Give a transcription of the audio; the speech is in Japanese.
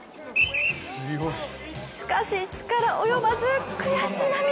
しかし、力及ばず、悔し涙。